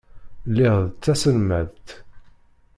Lliɣ d taselmadt.